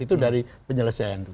itu dari penyelesaian itu